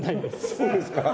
そうですか。